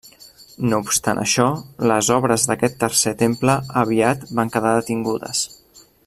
No obstant això, les obres d'aquest tercer temple aviat van quedar detingudes.